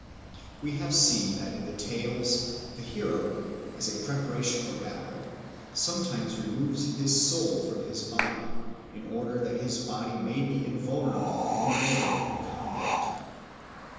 We have seen that in the tales the hero, as a preparation for battle, sometimes removes his soul from his body, in order that his body may be invulnerable and immortal in the combat.